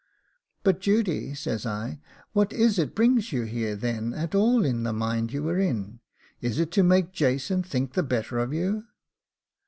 'But, Judy,' says I, 'what is it brings you here then at all in the mind you are in; is it to make Jason think the better of you?